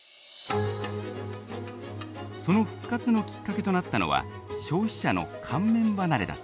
その復活のきっかけとなったのは消費者の乾麺離れだった。